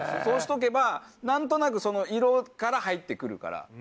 そうしとけば何となくその色から入って来るから。